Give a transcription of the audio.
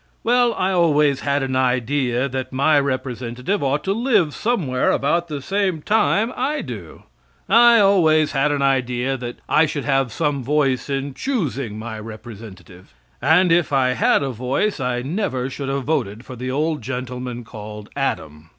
Well, I always had an idea that my representative ought to live somewhere about the same time I do. I always had an idea that I should have some voice in choosing my representative. And if I had a voice I never should have voted for the old gentleman called Adam.